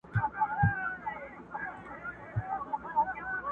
یوه سوی وه راوتلې له خپل غاره!.